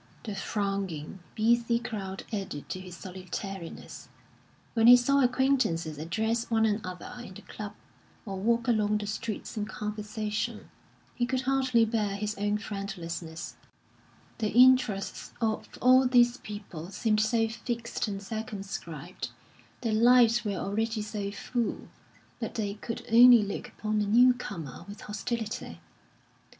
The thronging, busy crowd added to his solitariness. When he saw acquaintances address one another in the club, or walk along the streets in conversation, he could hardly bear his own friendlessness; the interests of all these people seemed so fixed and circumscribed, their lives were already so full, that they could only look upon a new comer with hostility.